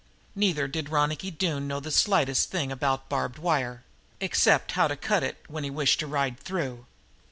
Neither did Ronicky Doone know the slightest thing about barbed wire, except how to cut it when he wished to ride through.